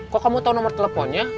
kok kamu tahu nomor teleponnya